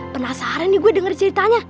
penasaran nih gue denger ceritanya